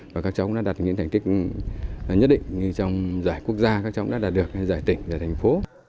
và các cháu cũng đã đạt những thành tích nhất định trong giải quốc gia các cháu cũng đã đạt được giải tỉnh giải thành phố